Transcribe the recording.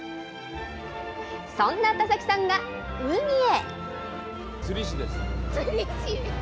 そんな田崎さんが海へ。